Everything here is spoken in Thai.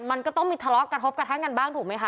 มันก็ต้องมีทะเลาะกระทบกระทั่งกันบ้างถูกไหมคะ